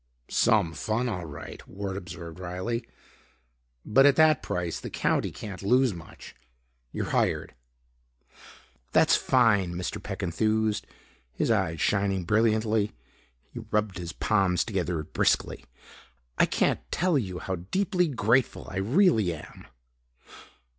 "Some fun, all right," Ward observed wryly. "But, at that price, the County can't lose much. You're hired." "That's fine," Mr. Peck enthused, his eyes shining brilliantly. He rubbed his palms together briskly. "I can't tell you how deeply grateful I really am."